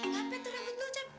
ngapain tuh rambut lo cep